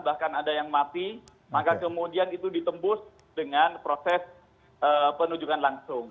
bahkan ada yang mati maka kemudian itu ditembus dengan proses penunjukan langsung